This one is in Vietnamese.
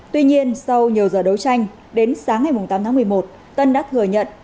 tuy nhiên sau nhiều giờ đấu tranh đến sáng ngày tám tháng một mươi một tân đã thừa nhận